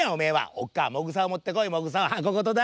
おっかあもぐさをもってこいもぐさ。はこごとだ。